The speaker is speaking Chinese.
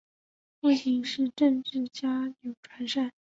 父亲是政治家钮传善。